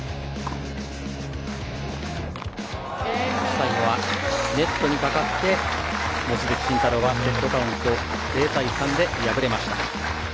最後はネットにかかって望月慎太郎はセットカウント０対３で敗れました。